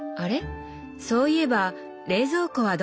そういえば冷蔵庫はどこに？